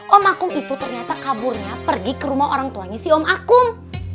om akung itu ternyata kaburnya pergi ke rumah orang tuanya si om akum